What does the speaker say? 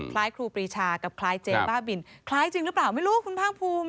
ครูปรีชากับคล้ายเจ๊บ้าบินคล้ายจริงหรือเปล่าไม่รู้คุณภาคภูมิ